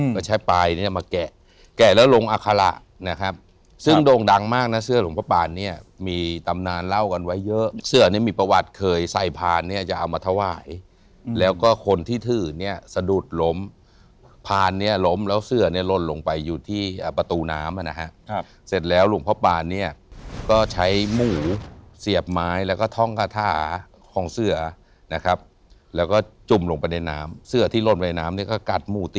ก็ใช้ปลายเนี่ยมาแกะแกะแล้วลงอาคาระนะครับซึ่งโด่งดังมากนะเสือหลวงพ่อปานเนี่ยมีตำนานเล่ากันไว้เยอะเสือนี่มีประวัติเคยใส่พานเนี่ยจะเอามาทะวายแล้วก็คนที่ถือเนี่ยสะดุดล้มพานเนี่ยล้มแล้วเสือเนี่ยลนลงไปอยู่ที่ประตูน้ำนะครับเสร็จแล้วหลวงพ่อปานเนี่ยก็ใช้หมู่เสียบไม้แล้วก็ท่องกระทะของเสือนะคร